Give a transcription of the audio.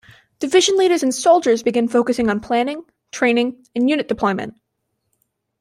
Division leaders and soldiers began focusing on planning, training and unit deployment.